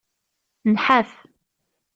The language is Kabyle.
Nḥaf.